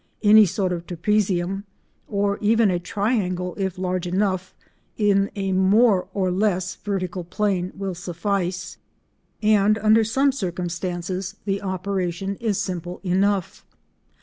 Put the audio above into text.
Any sort of trapezium—or even a triangle if large enough—in a more or less vertical plane will suffice, and under some circumstances the operation is simple enough.